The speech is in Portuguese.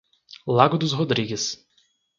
Lago dos Rodrigues